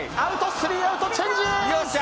スリーアウトチェンジ！